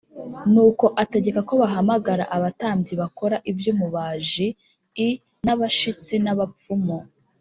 Nuko ategeka ko bahamagara abatambyi bakora iby ubumaji l n abashitsi n abapfumu